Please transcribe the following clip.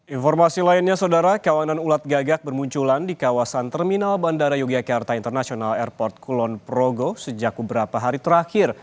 informasi lainnya saudara kawanan ulat gagak bermunculan di kawasan terminal bandara yogyakarta international airport kulon progo sejak beberapa hari terakhir